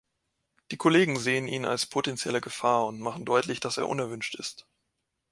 Die Kollegen sehen ihn als potenzielle Gefahr und machen deutlich, dass er unerwünscht ist.